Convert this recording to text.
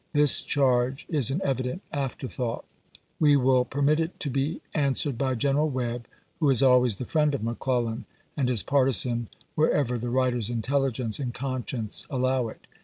"' This charge is an evident afterthought. We will per mit it to be answered by General Webb, who is always the friend of McClellan, and his partisan wherever the writer's intelligence and conscience allow it.